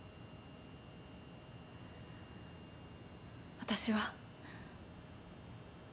私は。